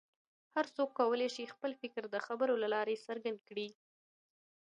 هر څوک کولی شي چې خپل فکر د خبرو له لارې څرګند کړي.